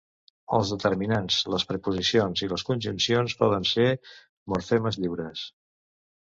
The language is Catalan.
Els determinants, les preposicions i les conjuncions poden ser morfemes lliures.